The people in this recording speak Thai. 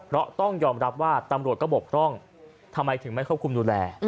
เพราะต้องยอมรับว่าตำรวจก็บกพร่องทำไมถึงไม่ควบคุมดูแล